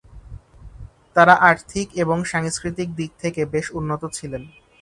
তারা আর্থিক এবং সাংস্কৃতিক দিক থেকে বেশ উন্নত ছিলেন।